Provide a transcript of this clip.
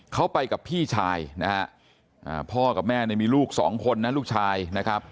เขาไปกับพี่ชายนะฮะพ่อกับแม่เนี่ยมีลูกสองคนนะลูกชายนะครับ